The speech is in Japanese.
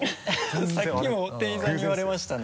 さっきも店員さんに言われましたね。